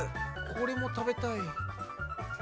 これも食べたい。